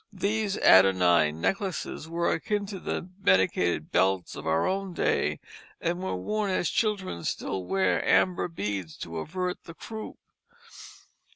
These anodyne necklaces were akin to the medicated belts of our own day, and were worn as children still wear amber beads to avert the croup.